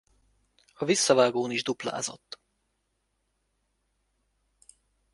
A visszavágón is duplázott.